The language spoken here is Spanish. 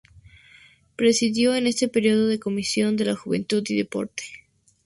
Presidió en ese período la Comisión de la juventud y deporte.